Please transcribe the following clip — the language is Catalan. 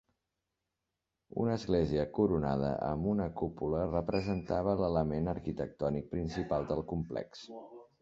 Una església coronada amb una cúpula representava l'element arquitectònic principal del complex.